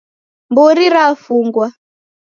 Mburi rafungwa